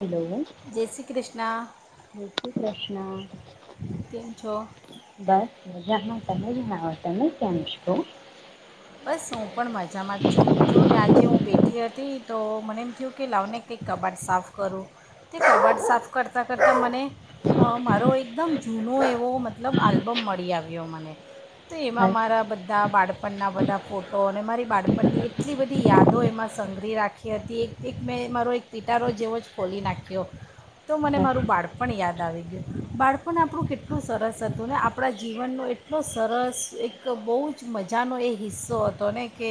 Hello જય શ્રી કૃષ્ણ [inaudible] ના કેમ છો બસ મજામાં તમે જણાવો તમે [inaudible] બસ હું પણ મજામાં જ છું જો ને આજે હું બેઠ ઠી હતી તો મને એમ થયું કે લાવને કંઈક કબાડ સાફ કરું તે કબડ સાફ કરતાં કરતાં મને અ મારો એકદમ જૂનો એવો મતલબ આલ્બમ મળી આવ્યો મને તો એમાં બસ મારા બધા બાળપણના બધા ફોટો અને મારી બાળપણની એટલી બધી યાદો એમાં સંગરીહ રાખી હતી એક એક મેં મારો એક પિટારો જેવો જ ખોલી નાખ્યો તો મને મારું બાળપણ યાદ આવી ગયું બાળપણ આપણું કેટલું સરસ હતું ને આપણા જીવનનો એટલો સરસ એક બહુ જ મજાનો એ હિસ્સો હતો ને કે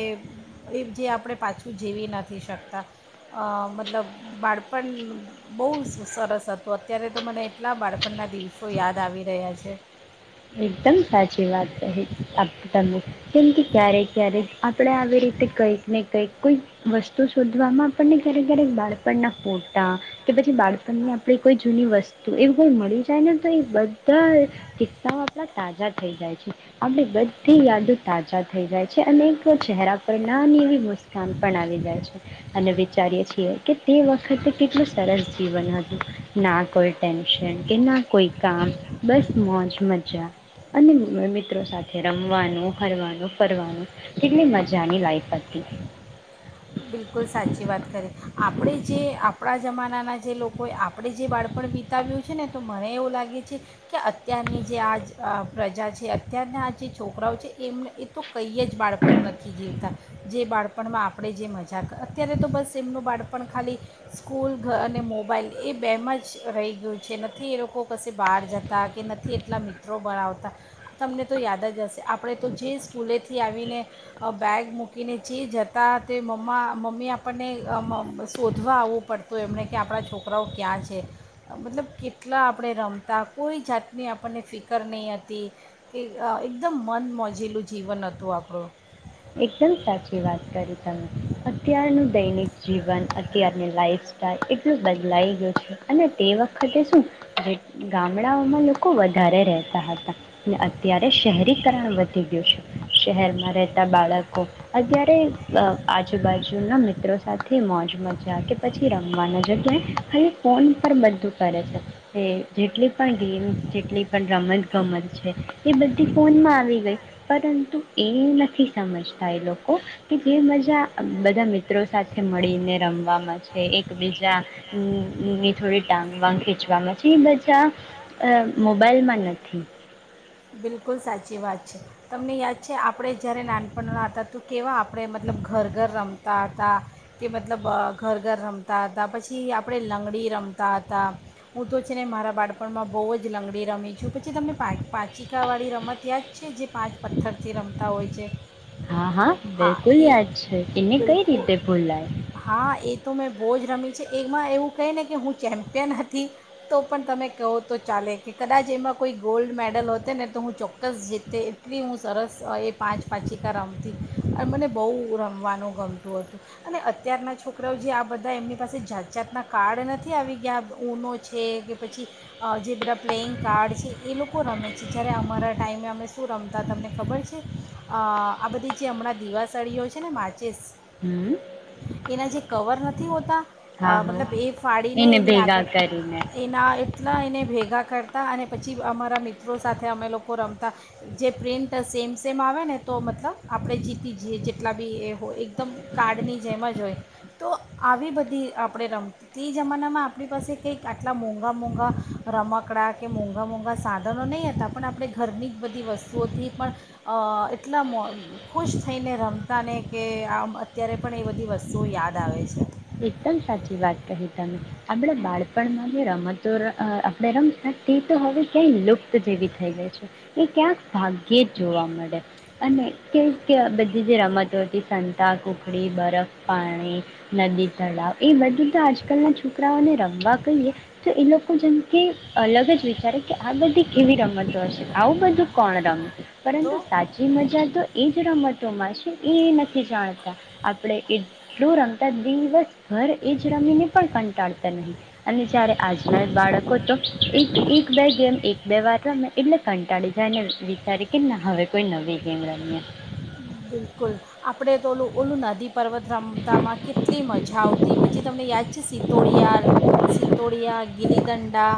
એ જે આપણે પાછું જીવી નથી શકતા અ મતલબ બાળપણ બહુ સરસ હતું અત્યારે તો મને એટલા બાળપણના દિવસો યાદ આવી રહ્યા છે.. એકદમ સાચી વાત કહી આપ તમે કેમ તુ ક્યારેક ક્યારેક આપણે આવી રીતે કઈક ને કઈક કોઈક વસ્તુ શોધવામાં આપણને ક્યારેક ક્યારેક બાળપણના ફોટા કે પછી બાળપણની આપણે કોઈ જૂની વસ્તુ એવી કોઈ મળી જાય ને તો એ બધા કિસ્સાઓ લા તાજા થઈ જાય છે આપણી બધી યાદો તાજા થઈ જાય છે અને એક ચહેરા પર નાની એવી મુસ્કાન પણ આવી જાય છે અને વિચારીએ છીએ કે તે વખતે કેટલું સરસ જીવન હતું ના કોઈ ટેન્શન કે ના કોઈ કામ બસ મોજ મજા અને મિત્રો સાથે રમવાનું હરવાનું ફરવાનું કેટલી મજાની લાઈફ હતી. બિલકુલ સાચી વાત કરી આપણે જે આપણા જમાનાના જે લોકોએ આપણે જે બાળપણ બીતાવ્યું છે ને તો મને એવું લાગે છે કે અત્યારની જે આ જ પ્રજા છે અત્યારના આ જે છોકરાઓ છે એમને એ તો કંઈ જ બાળપણ નથી જીવતા જે બાળપણમાં આપણે જે મજા જાકા અત્યારે તો બસ એમનું બાળપણ ખાલી સ્કૂલ અને મોબાઈલ એ બેમાં જ રહી ગયું છે નથી એ લોકો કશે બહાર જતા કે નથી એટલા મિત્રો બનાવતા તમને તો યાદ જ હશે આપણે તો જે સ્કૂલેથી આવીને અહ બેગ મૂકીને જે જતા તે મમ માં મમ્મી આપણને આમ-આમ શોધવા આવવું પડતું એમણે કે આપણા છોકરાઓ ક્યાં છે મતલબ કેટલા આપણે રમતા કોઈ જાતની આપણને ફિકર નહીં હતી કે એકદમ મન મોજિલું જીવન હતું આપણું. એકદમ સાચી વાત કરી તમે અત્યારનું દૈનિક જીવન અત્યારની લાઈફ સ્ટાઈલ એટલું બદલાઈ ગયું છે અને તે વખતે શું એ ગામડાઓમાં લોકો વધારે રહેતા હતા. ને અત્યારે શહેરીકરણ વધી ગયું છે. શહેરમાં રહેત તાં બાળકો અત્યારે અહ આજુબાજુના મિત ત્રો સાથે મોજ મજા કે પછી રમવાના જગ્યાએ હવે ફોન પર બધું કરે છે જે જેટલી પણ ગેમ્સ જેટલી પણ રમત ગમત છે એ બધી ફોનમાં આવી ગઈ પરંતુ એ ઈ નથી. સમજતા એ લોકો કે જે મજા અમ બધા મિત્રો સાથે મળીને રમવામાં છે એકબીજાની ની થોડી ટાંગ વાગ ખેચવામાં છે ઈ મજા મોબાઈલમાં નથી. બિલકુલ સાચી વાત છે તમને યાદ છે આપણે જ્યારે નાનપણના હતા તો કેવા આપણે મતલબ ઘર ઘર રમતા હતા કે મતલબ ઘર ઘર રમતા હતા પછી આપણે લંગડી રમતા હતા હું તો છે ને મારા બાળપણમાં બહુ જ લંગડી રમી છું પછી તમને પા-પા ચીકાવાળી રમત યાદ છે? જે પાંચ પથ્થરથી રમતા હોય છે. હા હા બિલકુલ યાદ છે એને કઈ બિલકુલ રીતે ભૂંલાયં? હા એ તો મેં બહુ જ રમી છે એમાં એવું કહે ને કે હું ચેમ્પિયન હતી તો પણ તમે કહો તો ચાલે કે કદાચ એમાં કોઈ ગોલ્ડ મેડલ હોત- ત ને તો હું ચોક્કસ જીતે એટલી હું સરસ અહ એ પાંચ પાંચિકા રમતી અને મને બહુ રમવાનું ગમતું હતું અને અત્યારના છોકરાઓ જે આ બધા એમની પાસે જાત જાાતના કાર્ડ નથી આવી ગયા ઊનો છે કે પછી જે બધા પ્લેઈંગ કાર્ડ છે એ લોકો રમે. જ્ય જ્યારે અમારા ટાઈમે અમે શું રમતા તમને ખબર છે અહ આ બધી જે હમણાં દીવાસળીઓ છે ને માચિસ હમ એના જે કવર નથી હોતા? હા અહ હા મતલબ એ ફાડીને એને એની ભેગા આગળ કરીને એના એટલા એને ભેગા કરતા અને પછી અમારા મિત ત્રો સાથે અમે લોકો રમતા, જે પ્રિન્ટ સેમ સેમ આવે ને તો મતલબ આપણે જીતી જ્યે જેટલા બી એ હોય એકદમ કાર્ડની જેમ જ હોય. તો આવી બધી આપણે રમ. તી જમાનામાં આપણી પાસે કંઈક આટલા મોંઘા મોંઘા રમકડાં કે મોંઘા મોંઘા સા ધનો નહીં હતા પણ આપણે ઘરની જ બધી વસ્તુઓથી પણ અહ એટલા મો ખુશ થઈને રમતા ને કે આમ અત્યારે પણ એ બધી વસ્તુઓ યાદ આવે છે. એકદમ સાચી વાત કહી તમે. આપણે બાળપણમાં જે રમતો ર અહ આપણે રમતા તે તો હવે ક્યાંય લુપ્ત જેવી થઈ ગઈ છે. એ ક્યાંક ભાગ્યે જ જોવા મળે અને કેમ કે બધી જે રમતો હતી સંતા કુકડી, બરફ પાણી નદી તળાવ એ બધું તો આજકાલના છોકરાઓને રમવા કહીએ તો એ લોકો જેમ કે અલગ જ વિચારે કે આ બધી કેવી રમતો હશે? આવું બધું કોણ રમે, પરંતુ તો સાચી મજા તો એજ રમતોમાં છે એ એ નથી જાણતા. આપણે એટલું રમ તા દિવસભર એ જ રમીને પણ કંટાળતા નહી અને જયારે આજના જ બાળકો તો એક એક બે ગેમ એક બે વાર રમે એટલે કંટાળી જાયને વિચારી કે ના હવે કોઈ નવી ગેમ રમીએ. બિલકુલ, આપણે તો ઓલું ઓલું નદી પર્વત રમતા માં કેટલી મજ આવતી પછી તમને યાદ છે સિત્તોડિયા-સિત્તોડિયા, ગીલીદંડા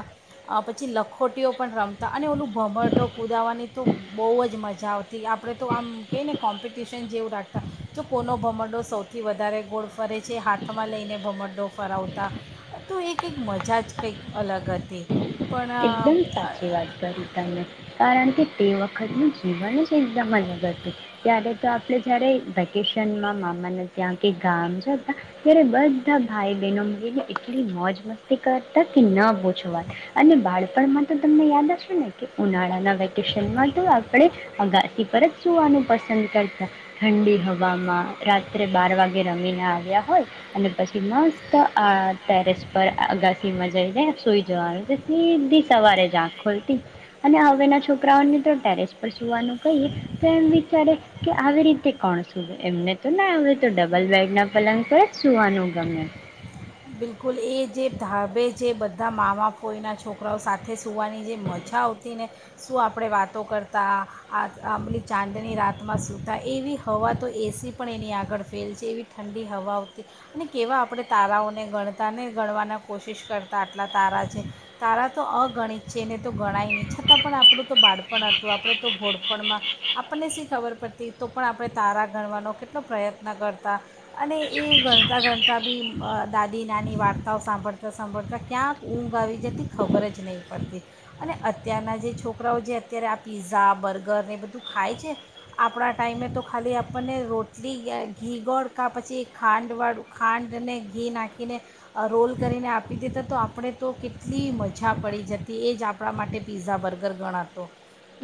અહ પછી લખોટીઓ પણ રમતા અને ઓલું ભમરડો કુદાવાની તો બહુ જ મજા આવતી આપણે તો આમ કહી ને કોમ્પ પિટિશન જેવું રાખતા, જો કોનો ભમરડો સૌથી વધારે ગોળ ફરે છે, હાથમાં લઈને ભમડડો ફરાવતા, તો એ કંઈક મજા જ કંઈક અલગ હતી. પણ અ, એકદમ અ, સાચી વાત કરી તમે કારણ કે તે વખતનું જીવન જ એકદમ અલગ હતું. ત્યારે તો આપણે જયારે વેકેશનમાં મામાને ત્યાં કે ગામ જતા ત્યારે બધા ભાઈ બહેનો મળીને એટલી મોજ મસ્તી કરતા કે ન પૂછો વાત અને બાળ પણમાં તો તમને યાદ જ છે ને કે ઉનાળાના વેકેેશનમાં તો આપણે અગા સી પર જ સૂવાનું પસંદ કરતા. ઠંડી હવામાં રાત્રે બાર વાગે રમીને આવ્યા હોય અને પછી મસ્ત આ ટેરેસ પર અગાસી માં જઈને સૂઈ જવાનું એટલે સીધી સવારે જ આંખ ખુલતી અને હવેના છોકરાઓને તો ટેરેસ પર સૂવાનું કહીએ તો એમ વિચારે કે આવી રીતે કોણ સૂવે એમને તો ના હવે તો ડબલ બેડના પલંગ પર સૂવાંનું ગમે. બિલકુલ એ જે ધાબે જે બધા મામાફોઈનાં છોકરાઓ સાથે સૂ સૂવાની જે મજા આવતી ને શું આપણે વાતો કરતા આ આંબલી ચાંદની રાતમાં સૂતા એવી હવા તો એસી પણ એની આગળ ફેલ છે એવી ઠંડી હવા આવતી અને કેવા આપણે તારાઓ ને ગણતા ને ગણવાના કોશિશ કરતા આટલા તારા છે, તારા તો અગણિત છે એણે તો ગણાય નહીં છતાં પણ આપણું તો બાળપણ હતું આપણે તો ભોળપણમાં આપણને શી ખબર પડતી તો પણ આપણે તારા ગણવાનો કેટલો પ્રયત્ન કરતા અને એ ગણતા ગણતાબી અહ દાદા દી નાની વાર્તાઓ સાંભળતા સાંભળતા ક્યાંક ઊંઘ આવી જતી ખબર જ નહીં પડતી અને અત્યારના જે છોકરાઓ જે અત્યારે આ પીઝા, બર્ગરને એ બધું ખાય છે આપણા ટાઈમે તો ખાલી આપણને રોટલી કાં ઘી ગોળ કાં પછી ખાંડ વાળું ખાંડને ઘી નાખી ને રોલ કરીને આપી દેતા તો આપણે તો કેટલી મજા પડી જતી એ જ આપણા માટે પીઝા બર્ગર ગણાતો.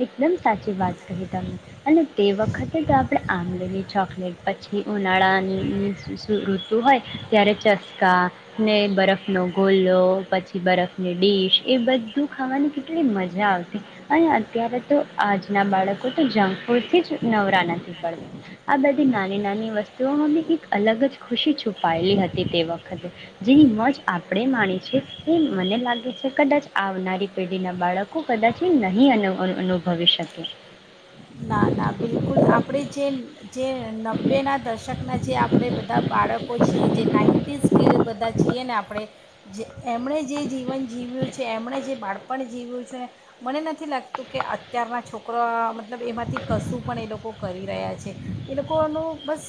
એકદમ સાચી વાત કહી તમે અને તે વખતે તો આપણે આંબલીની ચોકલેટ પછી ઉનાળાની [inaudible] ઋતુ હોય ત્યારે ચસ્કા ને બરફનો ગોલો પછી બરફની ડીશ એ બધું ખાવાની કેટલી મજા આવતી અને અ ત્યારે તો આજના બાળકો તો જંક ફૂડથી જ નવરા નથી. પડ આ બ નાની નાની વસ્તુઓની એક અલગ જ ખુશી છુપાયેલી હતી તે વખતે જેમજ આપણે માણી છે એ મને લાગે છે કદાચ આવનારી પેઢીના બાળકો કદાચ એ નહીં અનવ અ અનુભવી શકે. ના ના બિલકુલ આપણેે જે. જે નબ્બેના દશકના જે આપણે બધા બાળકો છીએ જે નાઇન્ટીઝ કે બધા છીએ ને આપણે જે એમણે જે જીવન જીવ્યું છે એમણે જે બાળપણ જીવ્યું છે ને મને નથી લાગતું કે અત્યારના છોકરા મતલબ એમાંથી કશું પણ એ લોકો કરી રહ્યા છે એ લોકોનું બસ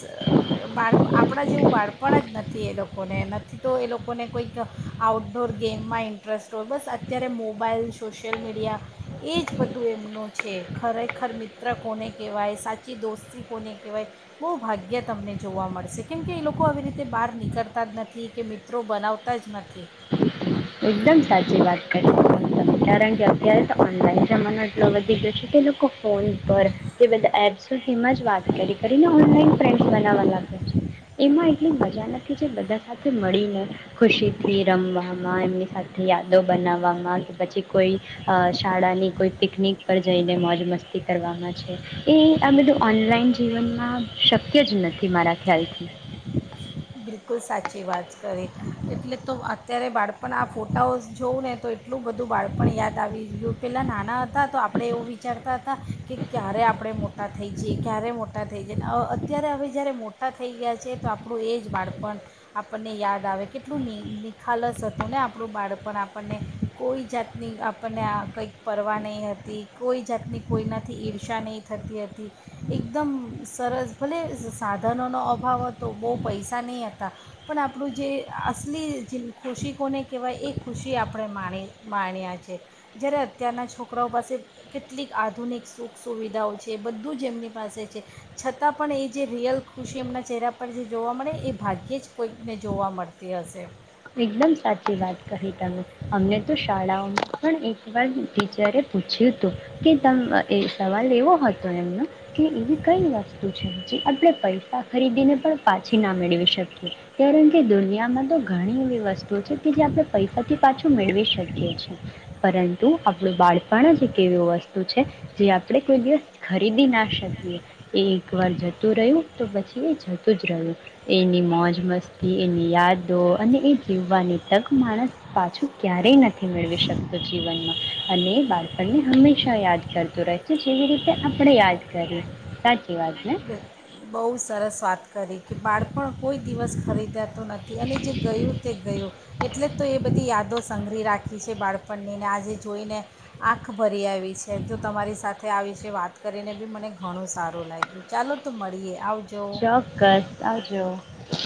બાળપ આપણા જેવું બાળપણ જ નથી એ લોકોને નથી તો એ લોકોને કોંઈક આઉટડોર ગેમમાં ઇન્ટરેસ્ટ હોય બસ અત્યારે મોબાઈલ સોશિયલ મીડિયા એ જ બધું એમનું છે ખરેખ ખર મિત્ર કોને કહેવાય સાચી દોસ્તી કોને કહેવાય બહુ ભાગ્ય તમને જોવા મળશે કેમકે એ લોકો આવી રીતે બહાર નીકળતા જ નથી કે મિત્રો બનાવતા જ નથી. એકદમ સાચી વાત કરી કારણ કે અત્યારે તો ઓનલાઈન જમાનો એટલો વધી ગયો છે કે લોકો ફોન પર બધા એપ્સ એમાં જ વાત કરી કરી ને ઓનલાઇન ફ્રેન્ડસ બના નાવાાગ છે એમાં. એટલી મજા નથી જે બધા સાથે મળીને ખુશીથી રમવા. એમની સાથે યાદો બનાવવામાં. પછી કોઈ અ. શાળાની કોઈ પિકનિક પર જઈને મોજ મસ્તી કરવાવામાં છે એ આ બધું ઓનલાઈન જીવનમાં શક્ય જ નથી મારા ખ્યાલથી. બિલકુલ સાચી વાત કરી એટલે તો અત્યારે બાળપણ આ ફોટાઓ જોઉં ને તો એટલું બધું બાળપણ યાદ આવી ગયું પહેલાં નાના હતા તો આપણે એવું વિચારતા હતા કે ક્યારે આપણે મોટા થઈ જઈએ ક્યારે મોટા થઈ જાયને અત્યારે હવે જ્યારે મોટા થઈ ગયા છે તો આપણું એ. બાળપણ આપણને યાદ આવે કેટલું નિખાલસ હતું ને આપણું બાળપણ આપણને કોઈ જાતની આપણને કંઈક પરવા નહીં હતી કોઈ જાતની કોઈનાથી ઈર્ષા નહીં થતી હતી એકદમ સરસ ભલે સાધનોનો અભાવ હતો બહુ પૈસા સા નહીં હતા પણ આપણું જે અસલી જે ખુશી કોને કહેવાય એ ખુશી આપણે માણી માણ્યા છે જ્યારે અત્યારના છોકરાઓ પાસે કેટલીક આધુનિક સુખ સુવિધાઓ છે એ બધું જ એમની પાસે છે છતાં પણ એ જે રિયલ ખુશી એમના ચહેરા પર જે જોવા મળે. એ ભાગ્યે જ કોઈકને જોવા મળતી હશે. એકદમ સાચી વાત કહી તમે અમને તો શાળાઓમાં પણ એક વાર ટીચરે પૂછ્યું હતું કે તમે એ સવાલ એવો હતો એમનો કે એવી કઈ વસ્તુ છે જે આપણે પૈસા ખરીદીને પણ પાછી ના મેળવી શકીએ કારણ કે દુનિયામાં તો ઘણી વ વસ્તુ છે કે જે આપણે પૈસા પાંછ મેળવી શકી છે પરંતુ તું આપણું બાળપણ જ એક એવી વસ્તુ છે જે આપણે કોઈ દિવસ ખરીદી ના શકીએ એ એક વાર જતું રહ્યું તો પછી એ જતું જ રહ્યું એની મોજ મસ્તી એની યાદો અને એ જીવવાની તક માણસ પાછું ક્યારેય નથી મેળવી શકતો જીવનમાં અને એ બાળપણને હંમેશા યાદ કરતું રહે છે જેવી રીતે આપણે યાદ કરીએ સાચ બહુ સરસ વાત કરી. કે બાળપણ કોઈ દિવસ ખરીદત નથી અને જે ગયું તે ગયો. એટલે જ તો એ બધી યાદો સંગળ રાખી છે બાળપણનીને આજે જોઈને આંખ ભરી આવી છે તો તમારી સાથે આ વિશે વાત કરીને બી મને ઘણું સારું લાગ્યું. ચાલો તો મળીએ આવજ ચોક્કસ આવજો. [inaudible]